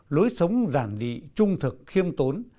lối sống giản dị trung thực khiêm tốn